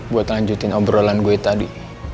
buat lanjutin obrolan gue tadi